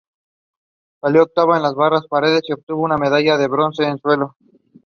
Wyss praised the commentary for its humor.